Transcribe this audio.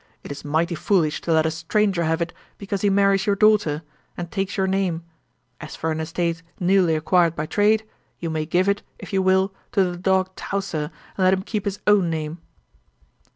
It is mighty foolish to let a stranger have it because he marries your daughter, and takes your name. As for an estate newly acquired by trade, you may give it, if you will, to the dog Towser, and let him keep his own name.'